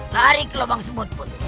lari ke lubang semut pun